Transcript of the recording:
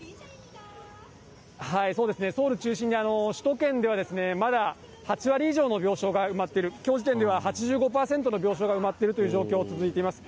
そうですね、ソウル中心に、首都圏では、まだ８割以上の病床が埋まってる、きょう時点では、８５％の病床が埋まっているという状況が続いています。